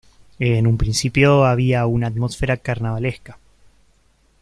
En un principio había una atmósfera carnavalesca.